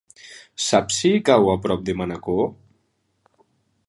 Saps si cau a prop de Manacor?